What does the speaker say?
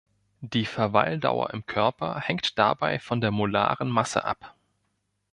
Die Verweildauer im Körper hängt dabei von der molaren Masse ab.